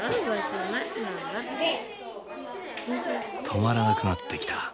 止まらなくなってきた。